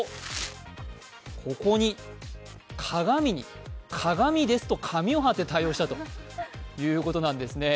ここに、「鏡です」と紙を貼って対応したということです。